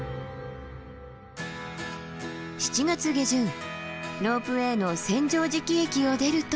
７月下旬ロープウエーの千畳敷駅を出ると。